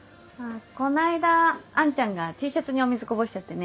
この間アンちゃんがＴシャツにお水こぼしちゃってね。